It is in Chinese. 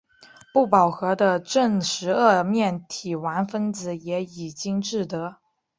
不饱和的正十二面体烷分子也已经制得。